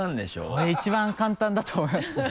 これ一番簡単だと思いますね。